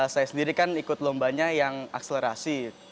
saya sendiri kan ikut lombanya yang akselerasi